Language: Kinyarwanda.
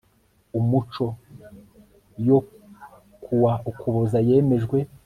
umuco yo ku wa ukuboza yemejwe